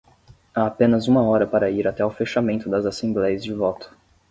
Há apenas uma hora para ir até o fechamento das assembleias de voto.